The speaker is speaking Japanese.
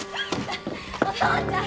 お父ちゃん！